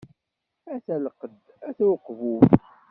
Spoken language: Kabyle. Ata llqeḍ, ata uqbub.